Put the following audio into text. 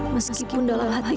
meskipun dalam hati